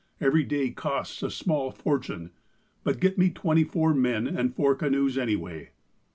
Every day costs a small fortune. But get me twenty four men and four canoes anyway."